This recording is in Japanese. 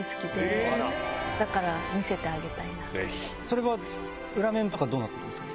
それは裏面とかどうなってるんですか？